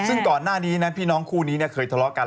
ซึ่งก่อนหน้านี้นะพี่น้องคู่นี้เคยทะเลาะกัน